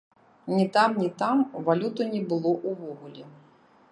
Ні там, ні там валюты не было ўвогуле.